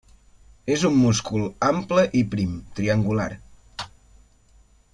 És un múscul ample i prim, triangular.